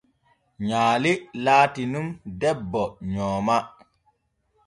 Nyaale latii nun debbo nyooma.